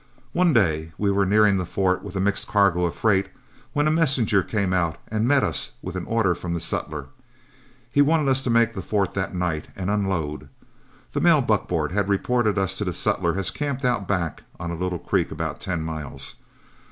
One day we were nearing the fort with a mixed cargo of freight, when a messenger came out and met us with an order from the sutler. He wanted us to make the fort that night and unload. The mail buckboard had reported us to the sutler as camped out back on a little creek about ten miles.